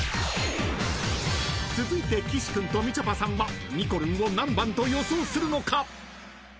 ［続いて岸君とみちょぱさんはにこるんを何番と予想するのか］